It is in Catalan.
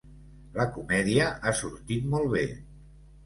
La comèdia ha sortit molt bé.